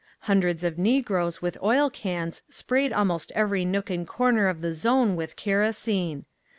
Hundreds of Negroes with oil cans sprayed almost every nook and corner of the Zone with kerosene.